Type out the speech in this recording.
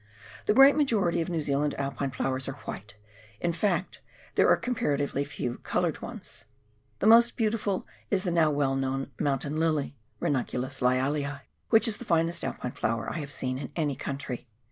The great majority of New Zealand Alpine flowers are white, in fact there are comparatively very few coloured ones. The most beautiful is the now well known Mountain Lily {Ranunculus LyaUi) which is the finest Alpine flower I have seen in any country.